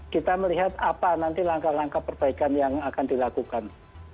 kita melihat apa nanti langkah langkah perbaikan yang akan dilakukan